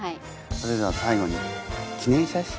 それでは最後に記念写真を。